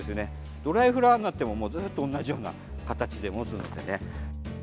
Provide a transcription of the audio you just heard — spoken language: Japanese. ドライフラワーになってもずっと同じような形でもつんです。